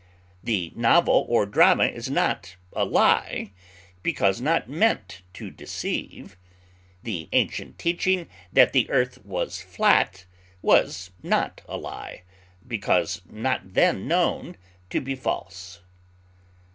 The novel or drama is not a lie, because not meant to deceive; the ancient teaching that the earth was flat was not a lie, because not then known to be false.